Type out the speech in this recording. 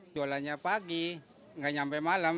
jualannya pagi nggak nyampe malam